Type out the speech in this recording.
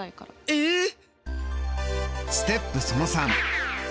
えっ。